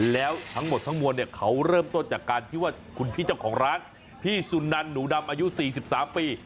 แล้วทั้งหมดทั้งมวลเนี่ยเขาเริ่มต้นจากการที่ว่าคุณพี่เจ้าของร้านพี่สุนันหนูดำอายุ๔๓ปี